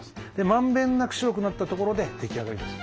まんべんなく白くなったところで出来上がりです。